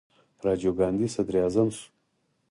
راجیو ګاندي صدراعظم شو.